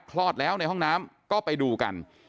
คลอดแล้วในห้องน้ำก็ไปดูกัน